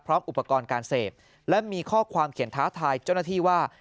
อุปกรณ์การเสพและมีข้อความเขียนท้าทายเจ้าหน้าที่ว่า